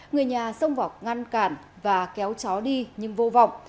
người nhà xông vào ngăn cản và kéo chó đi nhưng vô vọng